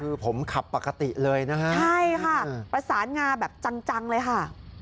คือผมขับปกติเลยนะฮะใช่ค่ะประสานงาแบบจังจังเลยค่ะ